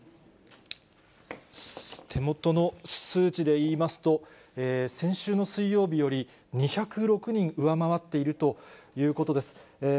手元の数値で言いますと、先週の水曜日より２０６人上回っているということです。